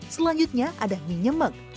selanjutnya ada mie nyemeg